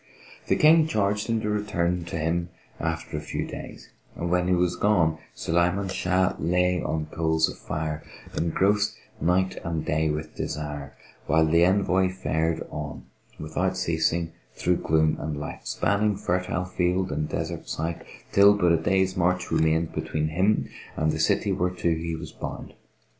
The King charged him to return to him after a few days; and, when he was gone, Sulayman Shah lay on coals of fire, engrossed night and day with desire; while the envoy fared on without ceasing through gloom and light, spanning fertile field and desert site, till but a day's march remained between him and the city whereto he was bound.